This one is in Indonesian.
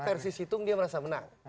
versi situng dia merasa menang